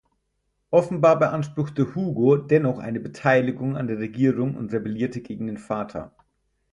Offenbar beanspruchte Hugo dennoch eine Beteiligung an der Regierung und rebellierte gegen den Vater.